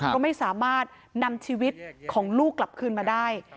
ก็ไม่สามารถนำชีวิตของลูกกลับคืนมาได้